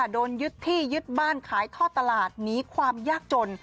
โดนยึดที่ยึดบ้านขายท่อตลาดหนีความยากจน